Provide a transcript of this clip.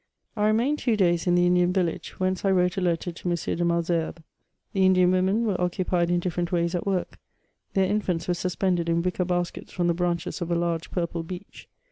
I REMAINED two days in the Indian village, whence I wrote a letter to M. de Malesherbes. The Indian women were occupied in different ways at work ; their infants were suspended in wicker baskets from the branches of a large purple beech.